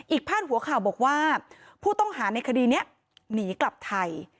พาดหัวข่าวบอกว่าผู้ต้องหาในคดีนี้หนีกลับไทย